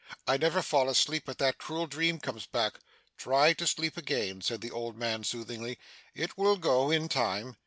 I never fall asleep, but that cruel dream comes back.' 'Try to sleep again,' said the old man, soothingly. 'It will go in time.